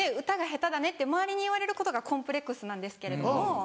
歌が下手だねって周りに言われることがコンプレックスなんですけれども。